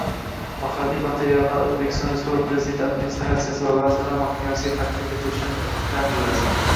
Tahliliy materiallarni O‘zbekiston Respublikasi Prezidenti Administratsiyasi va Vazirlar Mahkamasiga taqdim etilishini ta’minlasin.